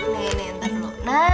nih nanti dulu